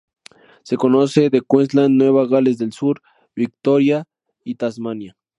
Se conoce de Queensland, Nueva Gales del Sur, Victoria y Tasmania.